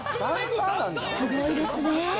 すごいですね。